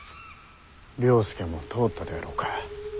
了助も通ったであろうか。